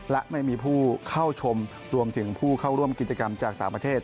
และไม่มีผู้เข้าชมรวมถึงผู้เข้าร่วมกิจกรรมจากต่างประเทศ